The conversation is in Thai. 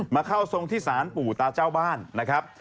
มาเข้าทรงที่ศาลปู่ตาเจ้าบ้านนะครับ